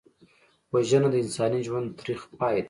وژنه د انساني ژوند تریخ پای دی